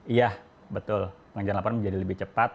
iya betul pengajuan laporan menjadi lebih cepat